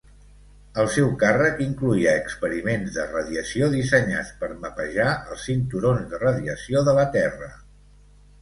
El seu càrrec incloïa experiments de radiació dissenyats per mapejar els cinturons de radiació de la Terra.